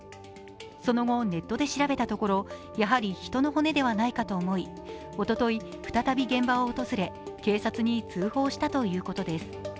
その後、ネットで調べたところやはり人の骨ではないかと思いおととい、再び現場を訪れ警察に通報したということです。